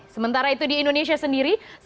sementara itu di indonesia sendiri